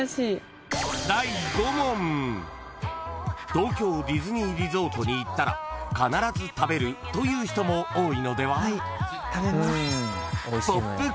［東京ディズニーリゾートに行ったら必ず食べるという人も多いのでは？］